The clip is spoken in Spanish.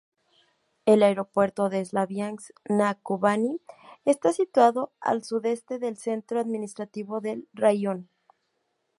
El aeropuerto de Slaviansk-na-Kubani está situado al sudeste del centro administrativo del raión.